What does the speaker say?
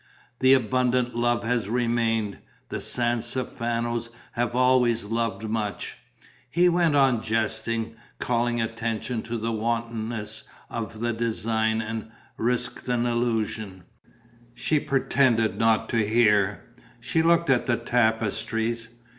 "The abundant love has remained: the San Stefanos have always loved much." He went on jesting, called attention to the wantonness of the design and risked an allusion. She pretended not to hear. She looked at the tapestries.